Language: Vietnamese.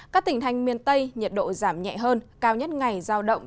các tỉnh thành miền tây nhiệt độ giảm nhẹ hơn cao nhất ngày giao động